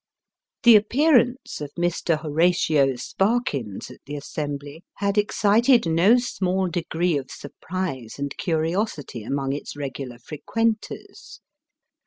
The appearance of Mr. Horatio Sparkins at the assembly, had excited no small degree of surprise and curiosity among its regular frequenters.